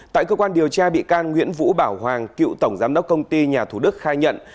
tại cơ quan điều tra bị can nguyễn vũ bảo hoàng cựu tổng giám đốc công ty nhà thủ đức khai nhận